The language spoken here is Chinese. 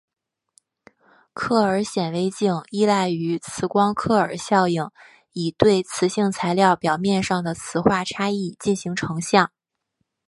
克尔显微镜依赖于磁光克尔效应以对磁性材料表面上的磁化差异进行成像。